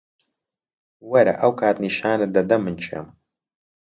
وەرە، ئەو کات نیشانت دەدەم من کێم.